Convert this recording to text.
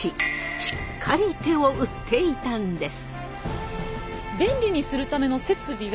しっかり手を打っていたんです。